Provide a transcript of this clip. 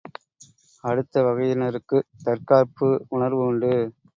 அடுத்த வகையினருக்குத் தற்காப்பு உணர்வு உண்டு.